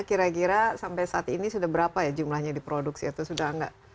kira kira sampai saat ini sudah berapa ya jumlahnya diproduksi atau sudah enggak